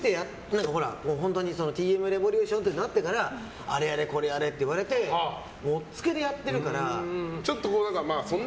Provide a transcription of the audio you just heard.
Ｔ．Ｍ．Ｒｅｖｏｌｕｔｉｏｎになってからあれやれこれやれって言われてぶっつけでやってるから。